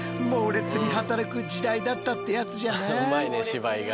うまいね芝居が。